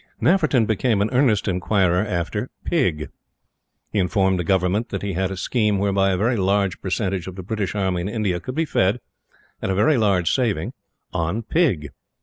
Nafferton became an earnest inquirer after Pig. He informed the Government that he had a scheme whereby a very large percentage of the British Army in India could be fed, at a very large saving, on Pig.